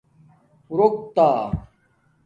رُوکتا